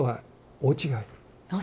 大違い。